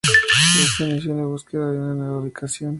Esto inició la búsqueda de una nueva ubicación.